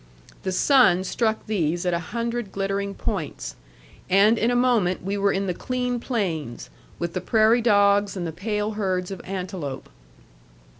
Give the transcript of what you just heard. The sun struck these at a hundred glittering points. And in a moment we were in the clean plains, with the prairie dogs and the pale herds of antelope.